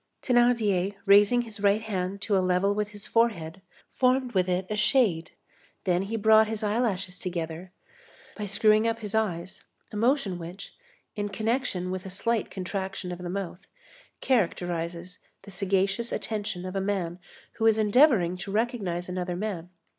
Thénardier, raising his right hand to a level with his forehead, formed with it a shade, then he brought his eyelashes together, by screwing up his eyes, a motion which, in connection with a slight contraction of the mouth, characterizes the sagacious attention of a man who is endeavoring to recognize another man.